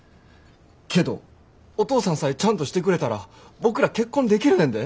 けどお父さんさえちゃんとしてくれたら僕ら結婚できるねんで。